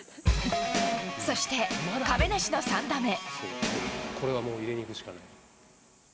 そして、亀梨の３打目。